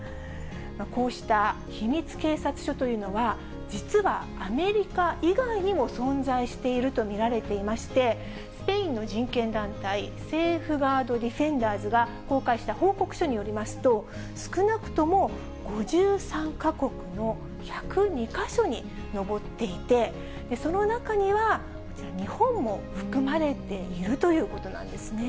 こうした秘密警察署というのは、実はアメリカ以外にも存在していると見られていまして、スペインの人権団体、セーフガードディフェンダーズが、公開した報告書によりますと、少なくとも５３か国の１０２か所に上っていて、その中にはこちら、日本も含まれているということなんですね。